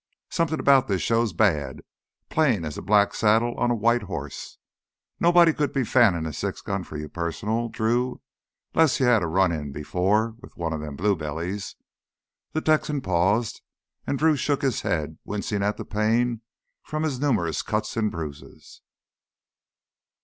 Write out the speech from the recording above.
"Somethin' 'bout this show's bad, plain as a black saddle on a white hoss. Nobody could be fannin' a six gun for you personal, Drew, 'less you had a run in before with one of them Blue Bellies." The Texan paused and Drew shook his head, wincing at the pain from his numerous cuts and bruises.